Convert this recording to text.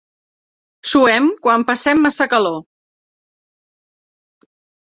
Suem quan passem massa calor.